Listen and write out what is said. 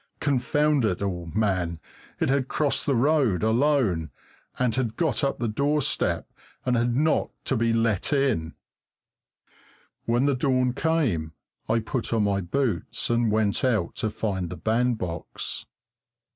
Confound it all, man, it had crossed the road alone, and had got up the doorstep and had knocked to be let in. When the dawn came, I put on my boots and went out to find the bandbox.